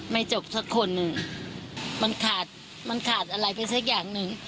ไม่จบสักคนหนึ่งมันขาดมันขาดอะไรไปสักอย่างหนึ่ง